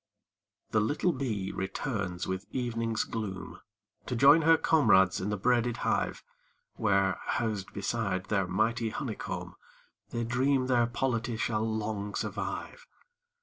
The little bee returns with evening's gloom, To join her comrades in the braided hive, Where, housed beside their mighty honeycomb, They dream their polity shall long survive.